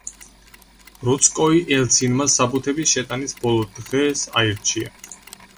რუცკოი ელცინმა საბუთების შეტანის ბოლო დღეს აირჩია.